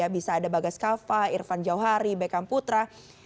bisa ada bagas kava irfan jauhari beckham putra